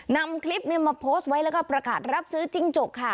นำคลิปนี้มาโพสต์ไว้แล้วก็ประกาศรับซื้อจิ้งจกค่ะ